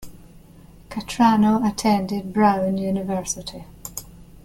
Cattrano attended Brown University.